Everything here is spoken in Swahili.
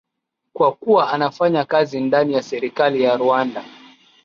Kwa kuwa anafanya kazi ndani ya serikali ya Rwanda